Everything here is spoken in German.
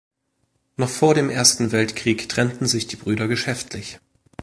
Noch vor dem Ersten Weltkrieg trennten sich die Brüder geschäftlich.